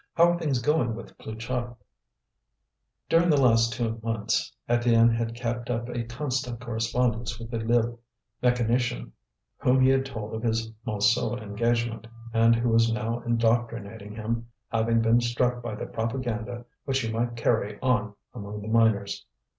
"How are things going with Pluchart?" During the last two months, Étienne had kept up a constant correspondence with the Lille mechanician, whom he had told of his Montsou engagement, and who was now indoctrinating him, having been struck by the propaganda which he might carry on among the miners.